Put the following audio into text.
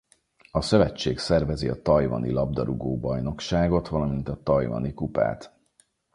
A szövetség szervezi a Tajvani labdarúgó-bajnokságot valamint a Tajvani kupát.